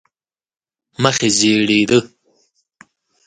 مخ یې زېړېده.